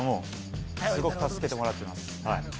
すごく助けてもらってます。